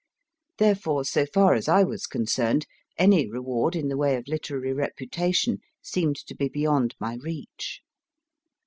Therefore, so far as I was concerned, any reward in the way of literary reputation seemed to be beyond my reach.